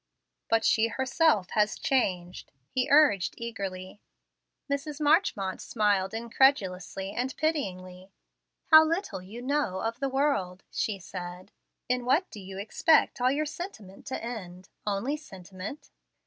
"But she herself has changed," he urged, eagerly. Mrs. Marchmont smiled incredulously and pityingly. "How little you know the world!" she said. "In what do you expect all your sentiment to end? Only sentiment?